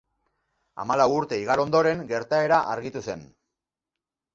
Hamalau urte igaro ondoren gertaera argitu zen.